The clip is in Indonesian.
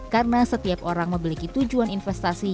karena setiap orang memiliki tujuan investasi